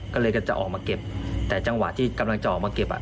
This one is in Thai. ก็เลยก็จะออกมาเก็บแต่จังหวะที่กำลังจะออกมาเก็บอ่ะ